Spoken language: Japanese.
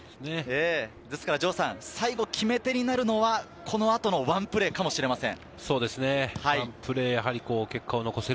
ですから城さん、最後決め手になるのはこの後のワンプレーかもしれません。